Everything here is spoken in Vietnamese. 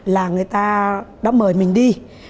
là người ta đã mời mình đi